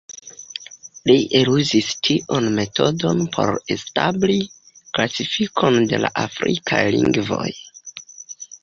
Li eluzis tiun metodon por establi klasifikon de la afrikaj lingvoj.